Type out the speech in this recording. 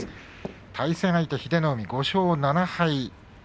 対戦相手は英乃海、５勝７敗。